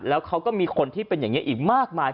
แล้วเขาก็มีคนที่เป็นอย่างนี้อีกมากมาย